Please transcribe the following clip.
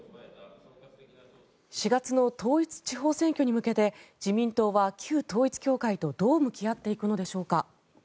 ４月の統一地方選挙に向けて自民党は旧統一教会とどう向き合っていくのでしょうか。